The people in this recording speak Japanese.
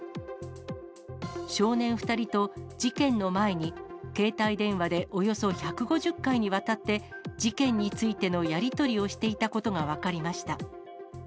少年２人と事件の前に携帯電話でおよそ１５０回にわたって、事件についてのやり取りをしていたことが分かりました。